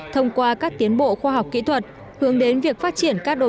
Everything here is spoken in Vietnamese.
thông qua các tiến bộ khoa học kỹ thuật hướng đến việc phát triển các đô thị trường